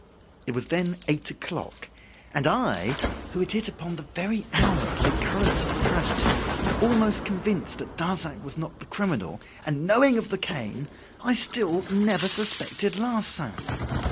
It was then eight o'clock. And I, who had hit upon the very hour of the occurrence of the tragedy, almost convinced that Darzac was not the criminal, and knowing of the cane, I still never suspected Larsan.